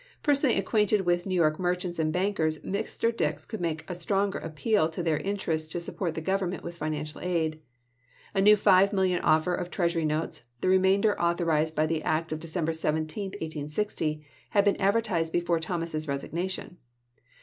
Personally acquainted with New York merchants and bankers, Mr. Dix could make a stronger appeal to their interest to support the Government with financial aid. A new five million offer of treasury notes (the remainder authorized by the act of De cember 17, 1860) had been advertised before Thomas's resignation.